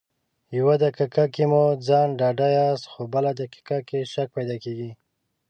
يو دقيقه کې مو په ځان ډاډه ياست خو بله دقيقه شک پیدا کېږي.